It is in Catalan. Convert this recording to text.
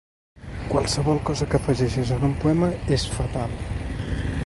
Qualsevol cosa que afegeixis en un poema és fatal.